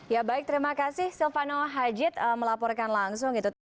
ya baik terima kasih silvano hajid melaporkan langsung